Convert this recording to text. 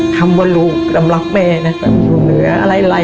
ทำว่าลูกรำรับแม่แบบลูกเหนืออะไร